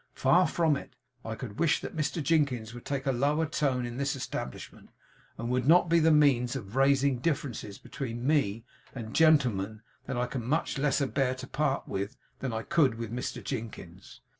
Far from it. I could wish that Mr Jinkins would take a lower tone in this establishment, and would not be the means of raising differences between me and gentlemen that I can much less bear to part with than I could with Mr Jinkins.